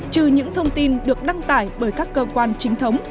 trừ những thông tin được đăng tải bởi các cơ quan chính thống